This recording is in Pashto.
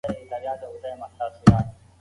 که ژبه روښانه وي نو درس ښه وي.